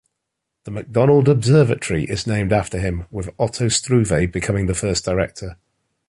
The McDonald Observatory is named after him, with Otto Struve becoming the first director.